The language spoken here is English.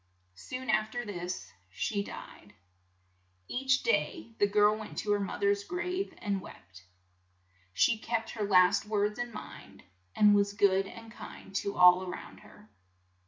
Soon af ter this she died. Each day the girl went to her moth er's grave and wept. She kept her last words in mind, and was good and kind to all a round her.